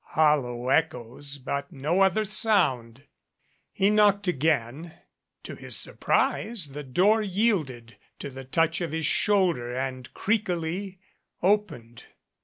Hollow echoes, but no other sound. He knocked again ; to his surprise the door yielded to the touch of his shoulder and creakily opened.